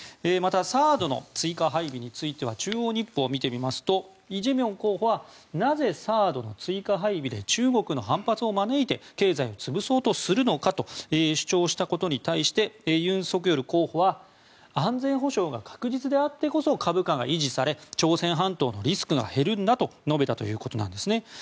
また、ＴＨＡＡＤの追加配備については中央日報を見てみますとイ・ジェミョン候補はなぜＴＨＡＡＤの追加配備で中国の反発を招いて経済を潰そうとするのかと主張したことに対してユン・ソクヨル候補は安全保障が確実であってこそ株価が維持され朝鮮半島のリスクが減るんだと述べたということです。